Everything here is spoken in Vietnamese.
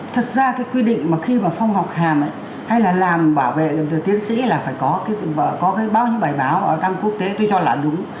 thật ra cái quyết định mà khi mà phong học hàm ấy hay là làm bảo vệ tiến sĩ là phải có cái báo những bài báo đăng quốc tế tôi cho là đúng